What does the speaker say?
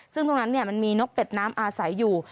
ซึ่งตรงนั้นมันมีนกเป็ดน้ำอาศัยอยู่